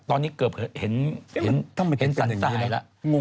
ตอนนี้เกือบเห็นสันทรายแล้ว